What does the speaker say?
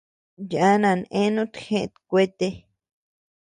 Yana eanut jeʼët kuete.